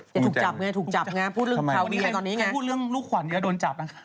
จะถูกจับไงถูกจับไงพูดเรื่องคราวนี้ไงตอนนี้ไงพูดเรื่องลูกขวัญก็โดนจับนะ